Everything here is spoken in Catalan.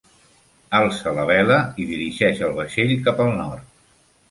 Alça la vela i dirigeix el vaixell cap al nord.